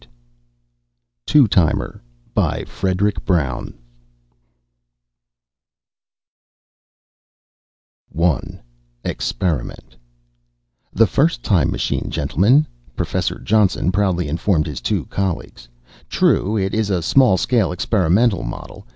_ Illustrated by STONE Experiment "The first time machine, gentlemen," Professor Johnson proudly informed his two colleagues. "True, it is a small scale experimental model.